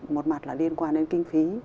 một mặt là liên quan đến kinh phí